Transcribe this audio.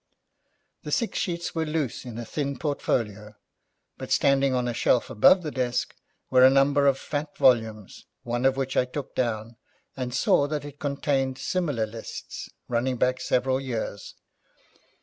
The six sheets were loose in a thin portfolio, but standing on a shelf above the desk were a number of fat volumes, one of which I took down, and saw that it contained similar lists running back several years.